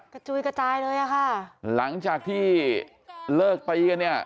จุยกระจายเลยอ่ะค่ะหลังจากที่เลิกตีกันเนี่ย